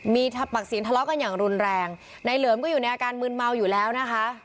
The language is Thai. มีปากเสียงทะเลาะกันอย่างรุนแรงในเหลิมก็อยู่ในอาการมืนเมาอยู่แล้วนะคะ